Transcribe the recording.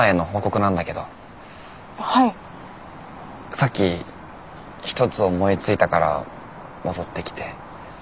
さっき１つ思いついたから戻ってきて。